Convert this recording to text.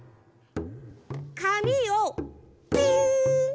かみをピン。